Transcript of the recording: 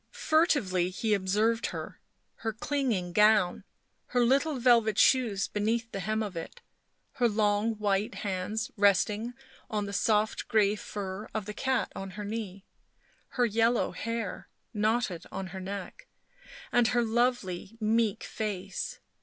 Furtively he observed her — her clinging gown, her little velvet shoes beneath the hem of it, her long white hands resting on the soft grey fur of the cat on her knee, her yellow hair, knotted on her neck, and her lovely, meek face.